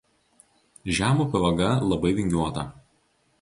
Žemupio vaga labai vingiuota.